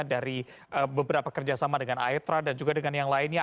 dari beberapa kerjasama dengan aetra dan juga dengan yang lainnya